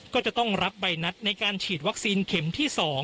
ก็จะต้องรับใบนัดในการฉีดวัคซีนเข็มที่๒